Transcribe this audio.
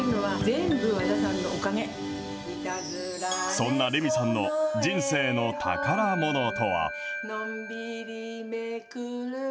そんなレミさんの人生の宝ものとは。